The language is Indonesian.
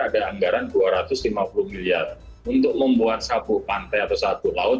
ada anggaran dua ratus lima puluh miliar untuk membuat sabu pantai atau sabu laut